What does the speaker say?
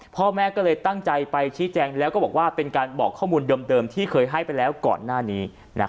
พ่อแม่ก็เลยตั้งใจไปชี้แจงแล้วก็บอกว่าเป็นการบอกข้อมูลเดิมที่เคยให้ไปแล้วก่อนหน้านี้